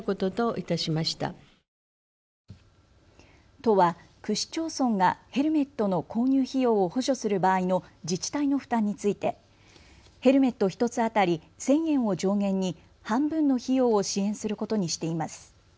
都は区市町村がヘルメットの購入費用を補助する場合の自治体の負担についてヘルメット１つ当たり１０００円を上限に半分の費用を支援することにしています。